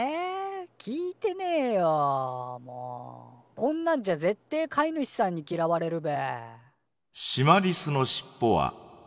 こんなんじゃぜってえ飼い主さんにきらわれるべ。